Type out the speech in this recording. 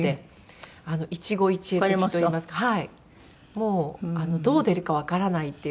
もうどう出るかわからないっていう楽しさが。